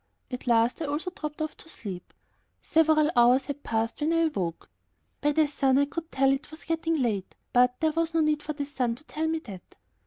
At last I also dropped off to sleep. Several hours had passed when I awoke. By the sun I could tell that it was getting late, but there was no need for the sun to tell me that.